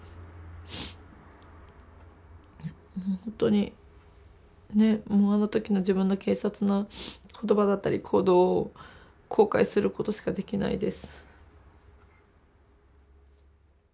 ほんとにあの時の自分の軽率な言葉だったり行動を後悔することしかできないです。